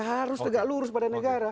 harus tegak lurus pada negara